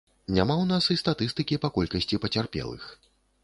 Няма ў нас і статыстыкі па колькасці пацярпелых.